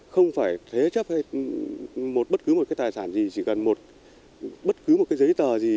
không phải thế chấp hay một bất cứ một cái tài sản gì chỉ cần một bất cứ một cái giấy tờ gì